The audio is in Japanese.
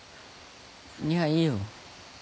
いやいいよ。